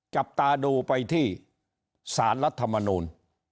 จับตาดูไปที่สารรัฐมนูล